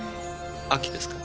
秋ですか？